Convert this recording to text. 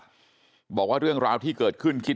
ทำให้สัมภาษณ์อะไรต่างนานไปออกรายการเยอะแยะไปหมด